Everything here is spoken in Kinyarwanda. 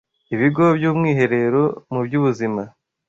Ibigo by’Umwiherero mu by’Ubuzima”;